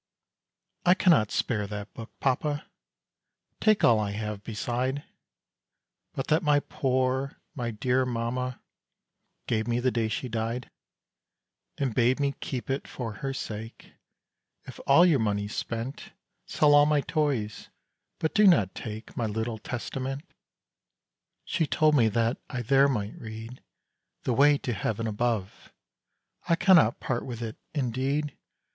"I cannot spare that book, papa Take all I have beside; But that my poor, my dear mamma, Gave me the day she died, "And bade me keep it for her sake; If all your money's spent Sell all my toys, but do not take My little Testament! "She told me that I there might read The way to heaven above. I cannot part with it indeed!